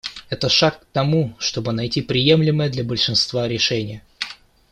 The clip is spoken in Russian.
Это шаг к тому, чтобы найти приемлемое для большинства решение.